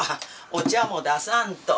お茶も出さんと。